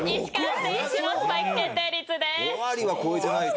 ５割は超えてないと。